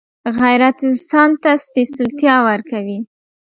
غیرت انسان ته سپېڅلتیا ورکوي